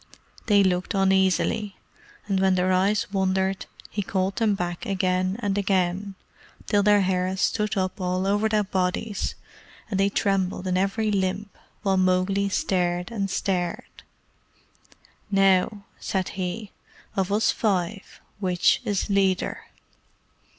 They looked uneasily, and when their eyes wandered, he called them back again and again, till their hair stood up all over their bodies, and they trembled in every limb, while Mowgli stared and stared. "Now," said he, "of us five, which is leader?"